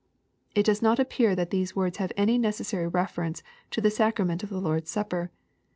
] It does not appear that these words have any necessary reference to the sacrament of the Lord's Supper.